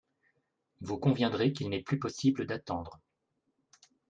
Vous conviendrez qu’il n’est plus possible d’attendre.